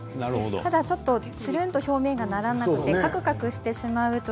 ただつるんと表面がならなくてかくかくとしてしまう。